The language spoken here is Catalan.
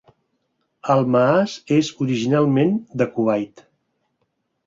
Almaas és originalment de Kuwait.